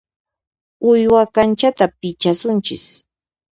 Uywa kanchata pichasunchis.